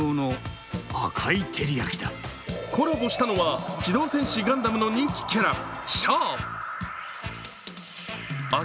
コラボしたのは、「機動戦士ガンダム」の人気キャラ、シャア。